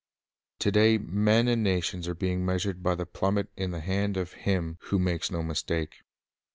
To day men and nations are being measured by the plummet in the hand of Him who makes no mistake.